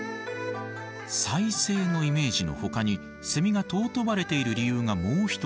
再生のイメージのほかにセミが尊ばれている理由がもう一つ。